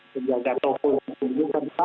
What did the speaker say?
kegagal toko yang diperlukan